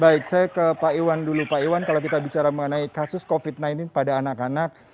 baik saya ke pak iwan dulu pak iwan kalau kita bicara mengenai kasus covid sembilan belas pada anak anak